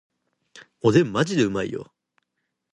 おでんマジでうまいよ